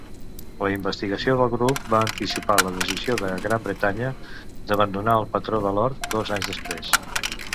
La investigació del grup va anticipar la decisió de Gran Bretanya d'abandonar el patró de l'or dos anys després.